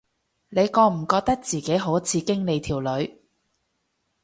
你覺唔覺得自己好似經理條女